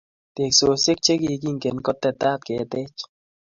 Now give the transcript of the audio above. teksoshek chikikingem kotetat ketech